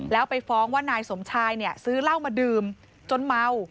แล้วไปฟ้องว่านายสมชายเนี่ยซื้อเหล้ามาดื่มจนเมา